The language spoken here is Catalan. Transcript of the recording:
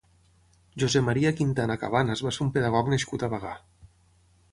José María Quintana Cabanas va ser un pedagog nascut a Bagà.